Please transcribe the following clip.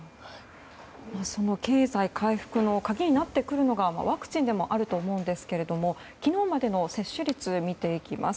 その経済回復の鍵になってくるのがワクチンでもあると思うんですが昨日までの接種率を見ていきます。